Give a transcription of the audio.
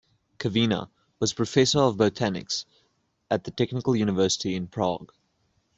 Kavina was professor of botanics at the Technical University in Prague.